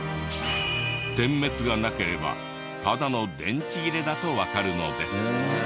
点滅がなければただの電池切れだとわかるのです。